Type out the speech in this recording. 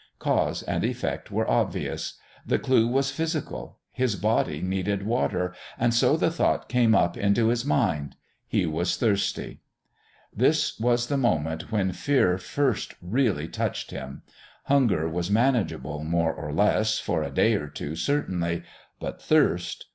Cause and effect were obvious. The clue was physical. His body needed water, and so the thought came up into his mind. He was thirsty. This was the moment when fear first really touched him. Hunger was manageable, more or less for a day or two, certainly. But thirst!